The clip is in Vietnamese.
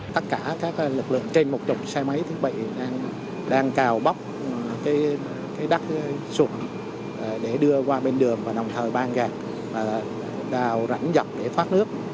tất cả các lực lượng trên một chục xe máy thiết bị đang cào bóc đất sụp để đưa qua bên đường và đồng thời ban gạt đào rãnh dọc để thoát nước